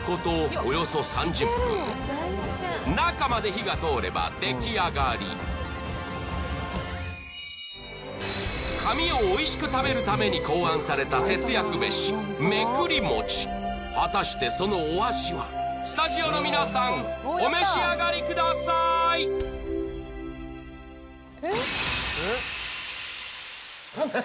およそ３０分中まで火が通れば出来上がり紙をおいしく食べるために考案された節約飯目くり餅果たしてそのお味はスタジオの皆さんお召し上がりくださいえ？